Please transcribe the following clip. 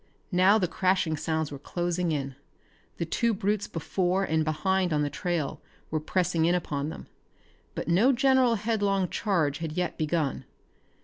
Now the crashing sounds were closing in. The two brutes before and behind on the trail were pressing in upon them. But no general headlong charge had yet begun.